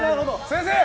先生！